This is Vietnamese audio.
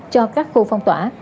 cho các khu phong tỏa